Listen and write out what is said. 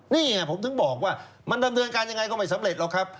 นี่ไงผมถึงบอกว่ามันดำเนินการยังไงก็ไม่สำเร็จหรอกครับ